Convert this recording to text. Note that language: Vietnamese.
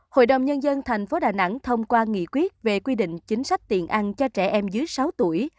hội đồng nhân dân tp đà nẵng thông qua nghị quyết về quy định chính sách tiền ăn cho trẻ em dưới sáu tuổi